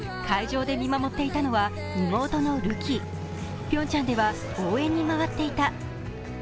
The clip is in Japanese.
会場で見守っていたのは、妹のるきピョンチャンでは応援に回っていた。